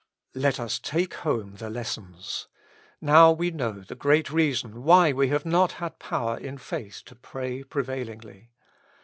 Let us take home the lessons. Now we know the great reason why we have not had power in faith to pray prevailingly.